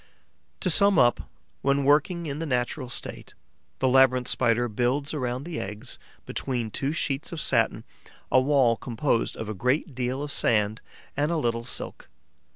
To sum up, when working in the natural state, the Labyrinth Spider builds around the eggs, between two sheets of satin, a wall composed of a great deal of sand and a little silk.